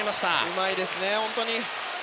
うまいですね、本当に。